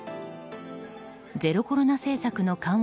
ゼロコロナ政策の緩和